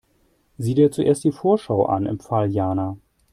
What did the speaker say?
Sieh dir zuerst die Vorschau an, empfahl Jana.